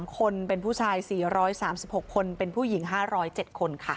๓คนเป็นผู้ชาย๔๓๖คนเป็นผู้หญิง๕๐๗คนค่ะ